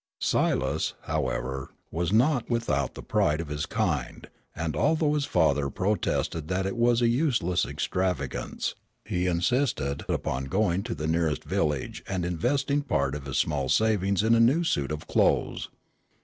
Silas, however, was not without the pride of his kind, and although his father protested that it was a useless extravagance, he insisted upon going to the nearest village and investing part of his small savings in a new suit of clothes.